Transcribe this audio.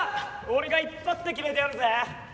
俺が一発で決めてやるぜ。